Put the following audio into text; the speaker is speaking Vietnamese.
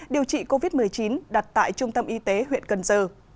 điều trị covid một mươi chín đặt tại trung tâm y tế huyện cần giờ